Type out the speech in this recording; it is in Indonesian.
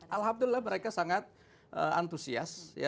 alhamdulillah mereka sangat antusias